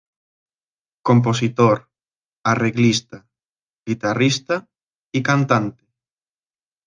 Compositor, arreglista, guitarrista y cantante.